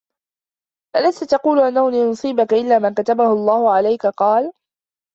أَلَسْت تَقُولُ أَنَّهُ لَنْ يُصِيبَك إلَّا مَا كَتَبَهُ اللَّهُ عَلَيْك ؟ قَالَ